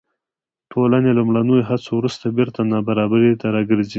ټولنې له لومړنیو هڅو وروسته بېرته نابرابرۍ ته راګرځي.